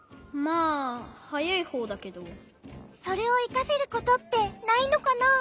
それをいかせることってないのかな？